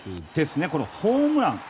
このホームラン。